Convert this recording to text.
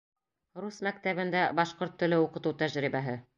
Рус мәктәбендә башҡорт теле уҡытыу тәжрибәһе.